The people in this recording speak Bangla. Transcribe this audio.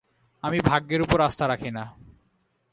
আমি ভাগ্যের ওপর আস্থা রাখি না।